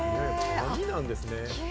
紙なんですね。